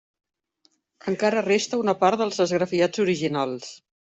Encara resta una part dels esgrafiats originals.